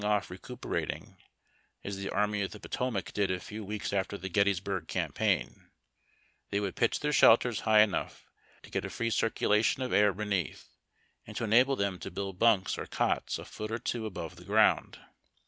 off recuperating, as the Army of the Potomac did a few weeks after the Gettysburg campaign, they would pitch their shelters high enough to get a free circulation of air beneath, and to enable them to build bunks or cots a foot or two above the ground.